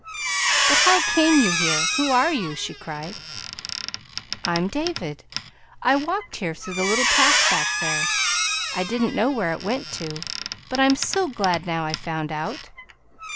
"But how came you here? Who are you?" she cried. "I'm David. I walked here through the little path back there. I didn't know where it went to, but I'm so glad now I found out!"